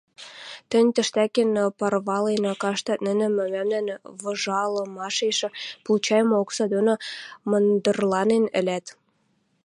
Тӹнь тӹштӓкен парвален каштат нинӹжӹ мӓмнӓм выжалымашеш получайымы окса доно мындырланен ӹлӓт...